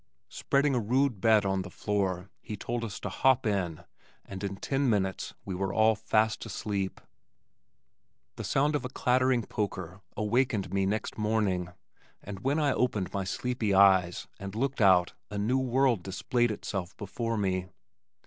Spreading a rude bed on the floor, he told us to "hop in" and in ten minutes we were all fast asleep. The sound of a clattering poker awakened me next morning and when I opened my sleepy eyes and looked out a new world displayed itself before me.